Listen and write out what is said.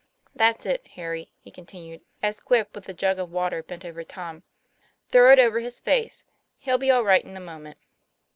That's it, Harry," he continued, as Quip with a jug of water bent over Tom, " throw it over his face; he'll be all right in a moment."